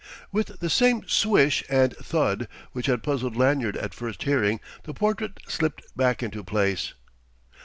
With the same swish and thud which had puzzled Lanyard at first hearing, the portrait slipped back into place.